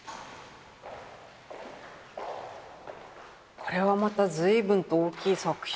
これはまた随分と大きい作品ですよね。